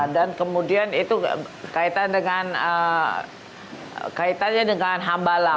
dan kemudian itu kaitannya dengan hambalang